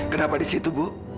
kenapa di situ bu